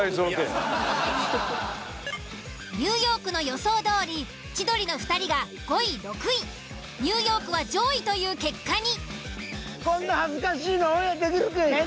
ニューヨークの予想どおり千鳥の２人が５位６位ニューヨークは上位という結果に。